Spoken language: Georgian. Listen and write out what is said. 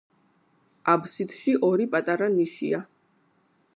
აბსიდში ორი პატარა ნიშია.